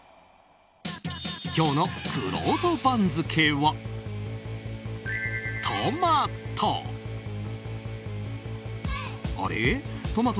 今日のくろうと番付はトマト！